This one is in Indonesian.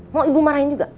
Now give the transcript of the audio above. mau ibu marahin juga